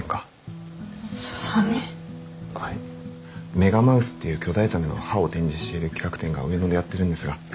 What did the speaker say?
メガマウスっていう巨大ザメの歯を展示している企画展が上野でやってるんですが。